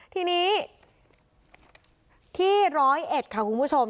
ทีนี้ที่๑๐๑ค่ะคุณผู้ชม